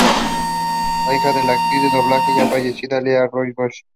Es hija de la actriz de doblaje ya fallecida Leela Roy Ghosh.